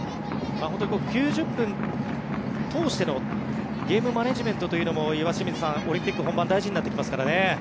９０分通してのゲームマネジメントというのも岩清水さん、オリンピック本番大事になってきますからね。